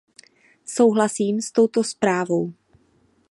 Souhlasím s touto zprávou.